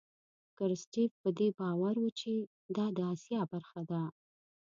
کرستیف په دې باور و چې دا د آسیا برخه ده.